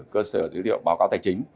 cơ sở dữ liệu báo cáo tài chính